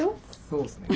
そうですね。